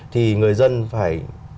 thì người dân phải